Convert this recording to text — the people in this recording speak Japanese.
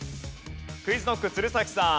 ＱｕｉｚＫｎｏｃｋ鶴崎さん。